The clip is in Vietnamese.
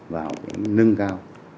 vào nâng cao